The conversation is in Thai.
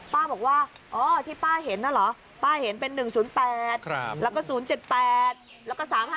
ป้าบอกว่าอ๋อที่ป้าเห็นน่ะเหรอ